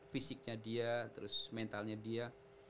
fisiknya dia terus mentalnya dia